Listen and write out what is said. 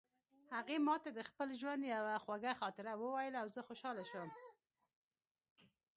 هغې ما ته د خپل ژوند یوه خوږه خاطره وویله او زه خوشحاله شوم